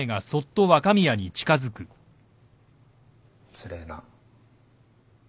つれえな。